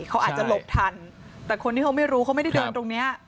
เขาอาจจะหลบทันแต่คนที่เขาไม่รู้เขาไม่ได้เดินตรงเนี้ย